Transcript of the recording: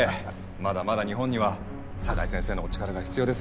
まだまだ日本には酒井先生のお力が必要ですよ。